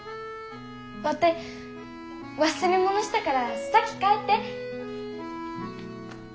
ワテ忘れ物したから先帰って。